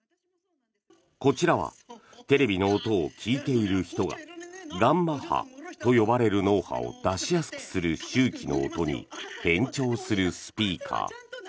こちらはテレビの音を聞いている人がガンマ波と呼ばれる脳波を出しやすくする周期の音に変調するスピーカー。